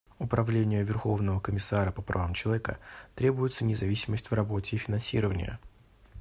Управлению Верховного комиссара по правам человека требуется независимость в работе и финансирование.